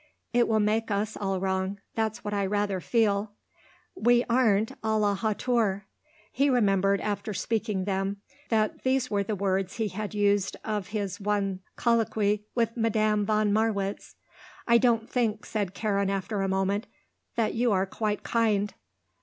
It will make us all wrong that's what I rather feel. We aren't à la hauteur." He remembered, after speaking them, that these were the words he had used of his one colloquy with Madame von Marwitz. "I don't think," said Karen after a moment, "that you are quite kind."